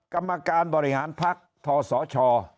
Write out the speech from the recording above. กรรมการบริหารพักทศช